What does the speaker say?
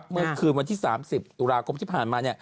เมื่อคืนวันที่๓๐ตุลาคมที่ผ่านมา